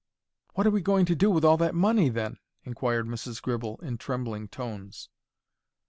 "What are we going to do with all that money, then?" inquired Mrs. Gribble, in trembling tones.